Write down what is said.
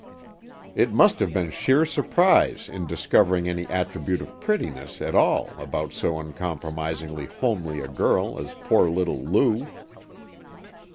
It must have been sheer surprise in discovering any attribute of prettiness at all about so uncompromisingly homely a girl as poor little Lou.